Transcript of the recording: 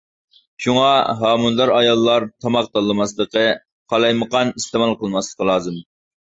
شۇڭا ھامىلىدار ئاياللار تاماق تاللىماسلىقى، قالايمىقان ئىستېمال قىلماسلىقى لازىم.